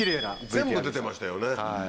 全部出てましたよね。